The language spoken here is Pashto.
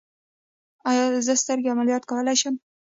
ایا زه سترګې عملیات کولی شم؟